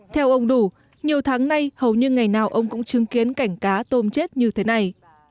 theo ông đủ nhiều tháng nay hầu như ngày nào ông cũng chứng kiến cảnh cá tôm chết như thế này